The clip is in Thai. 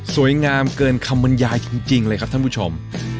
สวยงามเกินคำบรรยายจริงเลยครับท่านผู้ชม